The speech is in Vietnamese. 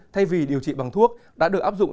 thay vì điều trị bằng thuốc đã được áp dụng